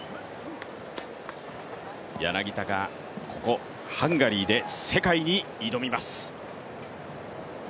柳田がここハンガリーで世界に挑みます。